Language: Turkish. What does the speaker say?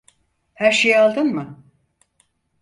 Her şeyi aldın mı?